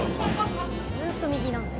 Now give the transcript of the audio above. ずっと右なんだ。